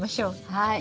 はい。